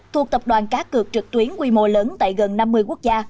thuộc tập đoàn cá cược trực tuyến quy mô lớn tại gần năm mươi quốc gia